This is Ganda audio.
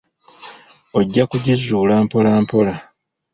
Ojja kugizuula mpolampola.